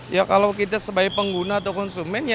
ya kalau kita sebagai pengguna atau konsumen